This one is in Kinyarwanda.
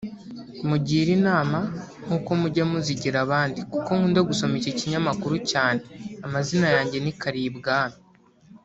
Mugire inama nk’uko mujya muzigira abandi kuko nkunda gusoma iki kinyamakuru cyane amazina yanjye ni Karibwami